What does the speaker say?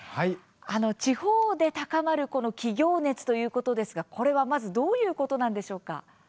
地方で高まる起業熱ということですが、これはまずどういうことなんでしょうか？